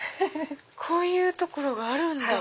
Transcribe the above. こういう所があるんだ。